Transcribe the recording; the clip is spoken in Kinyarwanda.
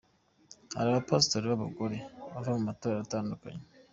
Hari abapasitori b'abagore bava mu matorero atandukanye.